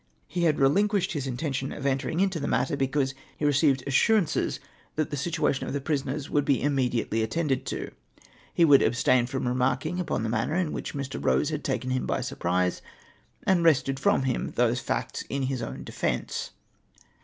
He had relinquished his intention of entering into the matter, because he received assurances that the situation of the j^risoners Avould be immediately attended to. He would abstain from remarking upon the manner in Avhich Mr. Eose had taken him by surprise, and A\Tested from him those facts in his own defence.